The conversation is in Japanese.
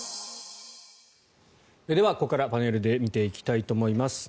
ではここからパネルで見ていきたいと思います。